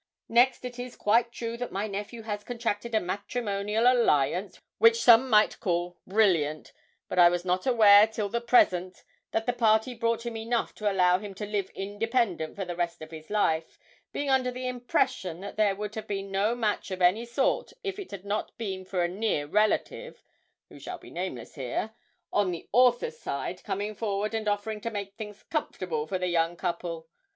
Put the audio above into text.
Next, it is quite true that my nephew has contracted a matrimonial alliance, which some might call brilliant; but I was not aware till the present that the party brought him enough to allow him to live independent for the rest of his life, being under the impression that there would have been no match of any sort if it had not been for a near relative (who shall be nameless here) on the author's side coming forward and offering to make things comfortable for the young couple.